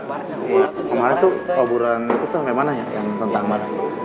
amaran tuh kaburan itu sampe mana ya yang tentang amaran